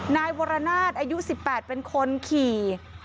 นายวรนาศอายุ๑๘เป็นคนขี่